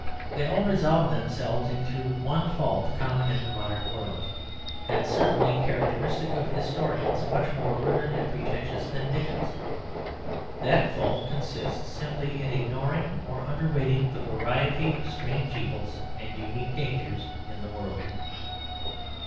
They all resolve themselves into one fault common in the modern world, and certainly characteristic of historians much more learned and pretentious than Dickens. That fault consists simply in ignoring or underrating the variety of strange evils and unique dangers in the world.